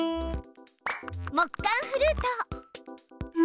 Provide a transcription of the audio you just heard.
木管フルート。